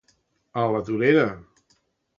A la torera.